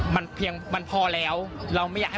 มันเพียงมันพอแล้วเราไม่อยากให้